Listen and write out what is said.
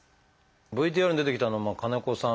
ＶＴＲに出てきた金子さん